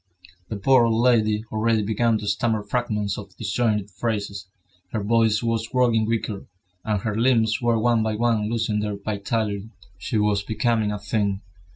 The poor old lady already began to stammer fragments of disjointed phrases; her voice was growing weaker, and her limbs were one by one losing their vitality. She was becoming a thing.